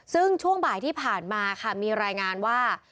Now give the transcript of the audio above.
ซึ่งช่วงบ่ายที่ผ่านมาค่ะมีรายงานว่า